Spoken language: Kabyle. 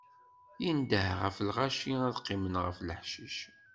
Indeh ɣef lɣaci ad qqimen ɣef leḥcic.